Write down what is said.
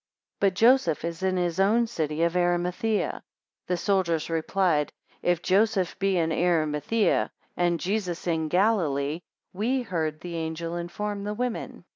But Joseph is in his own city of Arimathaea. 14 The soldiers replied, If Joseph be in Arimathaea, and Jesus in Galilee, we heard the angel inform the women.